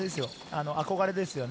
今、憧れですよね。